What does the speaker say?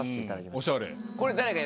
おしゃれ。